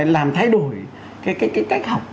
làm thay đổi cái cách học